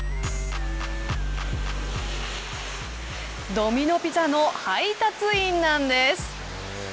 ドミノ・ピザの配達員なんです。